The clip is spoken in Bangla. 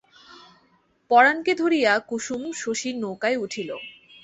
পরাণকে ধরিয়া কুসুম শশীর নৌকায় উঠিল।